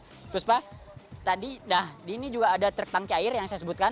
terus pak di sini juga ada truk tangki air yang saya sebutkan